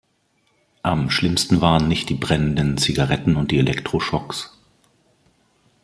Am schlimmsten waren nicht die brennenden Zigaretten und die Elektroschocks.